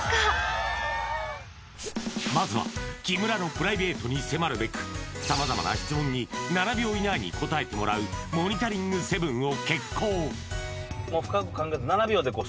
まずは木村のプライベートに迫るべく様々な質問に７秒以内に答えてもらうモニタリングセブンを決行